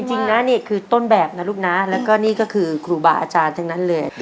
จริงนะนี่คือต้นแบบนะลูกนะแล้วก็นี่ก็คือครูบาอาจารย์ทั้งนั้นเลย